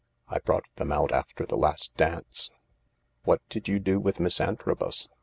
I brought them out after the last dance." " What did you do with Miss Antrobus ?